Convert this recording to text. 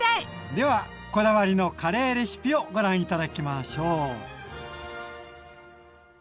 ではこだわりのカレーレシピをご覧頂きましょう。